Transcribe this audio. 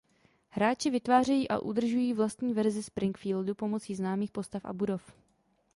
Hráči vytvářejí a udržují vlastní verzi Springfieldu pomocí známých postav a budov.